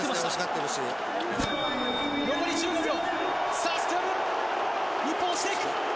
さぁスクラム日本押していく。